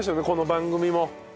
この番組も。